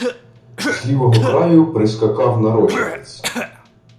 З лівого краю прискакав нарочитець: